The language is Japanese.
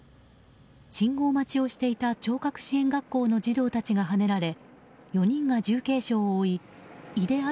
信号待ちをしていた聴覚支援学校の児童たちがはねられ４人が重軽傷を負い井出安